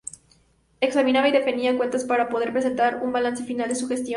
Examinaba y definía cuentas para poder presentar un balance final de su gestión".